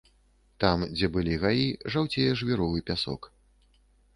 Там, дзе былі гаі, жаўцее жвіровы пясок.